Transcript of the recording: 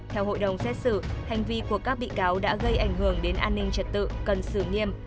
theo hội đồng xét xử hành vi của các bị cáo đã gây ảnh hưởng đến an ninh trật tự cần xử nghiêm